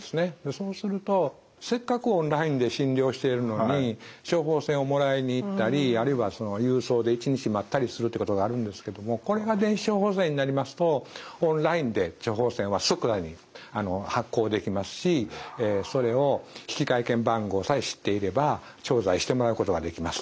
そうするとせっかくオンラインで診療しているのに処方箋をもらいに行ったりあるいは郵送で１日待ったりするっていうことがあるんですけどもこれが電子処方箋になりますとオンラインで処方箋は即座に発行できますしそれを引換券番号さえ知っていれば調剤してもらうことができます。